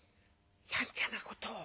やんちゃなことを。